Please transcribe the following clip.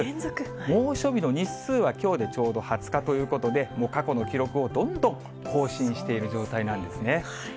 猛暑日の日数はきょうでちょうど２０日ということで、もう、過去の記録をどんどん更新している状態なんですね。